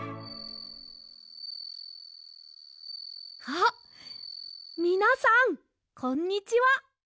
あっみなさんこんにちは。